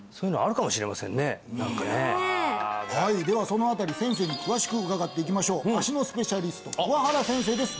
そのあたり先生に詳しく伺っていきましょう足のスペシャリスト桑原先生です